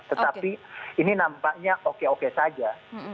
tetapi ini nampaknya oke oke saja